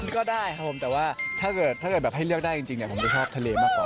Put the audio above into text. ก็ได้ครับผมแต่ว่าถ้าเกิดแบบให้เลือกได้จริงผมจะชอบทะเลมากกว่า